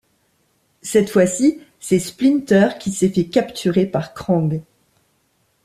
Cette fois-ci, c'est Splinter qui s'est fait capturer par Krang.